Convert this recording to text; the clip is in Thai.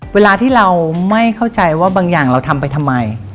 เวลาที่เราไม่เข้าใจว่าบางอย่างเราทำไปทำไม